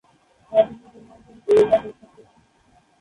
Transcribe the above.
আদতে তিনি একজন গেরিলা যোদ্ধা ছিলেন।